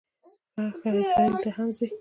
ښه ښه، اسرائیلو ته هم ځې.